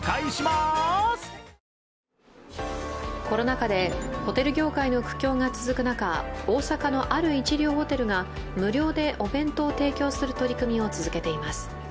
コロナ禍でホテル業界の苦境が続く中、大阪の、ある一流ホテルが無料でお弁当を提供する取り組みを続けています。